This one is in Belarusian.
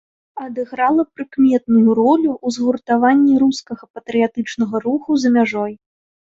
Адыграла прыкметную ролю ў згуртаванні рускага патрыятычнага руху за мяжой.